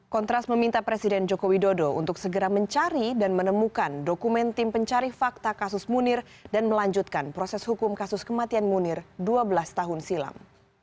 kontras meminta presiden joko widodo untuk segera mencari dan menemukan dokumen tim pencari fakta kasus munir dan melanjutkan proses hukum kasus kematian munir dua belas tahun silam